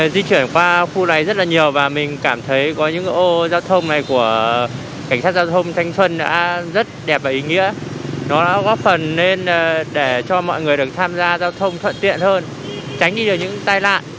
góp phần lên để cho mọi người được tham gia giao thông thuận tiện hơn tránh đi được những tai nạn